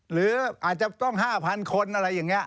หรืออาจจะต้อง๕๐๐คนอะไรอย่างนี้